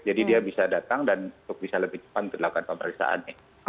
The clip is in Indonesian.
jadi dia bisa datang dan bisa lebih cepat untuk melakukan pemeriksaan